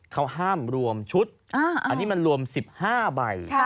เขาห้ามรวมชุดอันนี้มันรวม๑๕ใบ